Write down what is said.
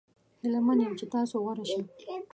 هیله من یم چې تاسو غوره شي.